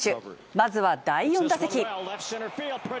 まずは第４打席。